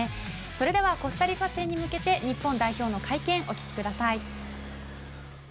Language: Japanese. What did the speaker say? それではコスタリカ戦に向けて日本代表の会見お聞きください。